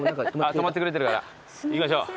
止まってくれてるから行きましょう。